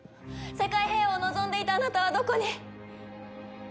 世界平和を望んでいたあなたはどこに！